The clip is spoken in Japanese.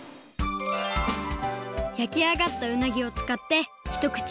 焼き上がったうなぎをつかってひとくち